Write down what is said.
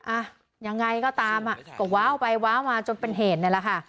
อ่ะยังไงก็ตามอ่ะก็ว้าวไปว้าวมาจนเป็นเหตุนี่แหละค่ะ